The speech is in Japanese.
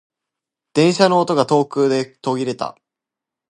電車の音が遠くで途切れた。